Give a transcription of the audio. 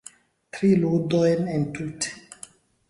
Tri ludojn entute